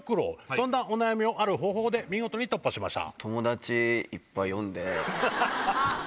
そんなお悩みをある方法で見事に突破しました。